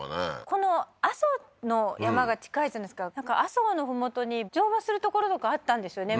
この阿蘇の山が近いじゃないですかなんか阿蘇の麓に乗馬する所とかあったんですよね